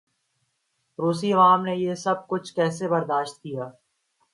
روسی عوام نے یہ سب کچھ کیسے برداشت کیا؟